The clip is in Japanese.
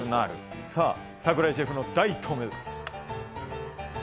さぁ櫻井シェフの第１投目です。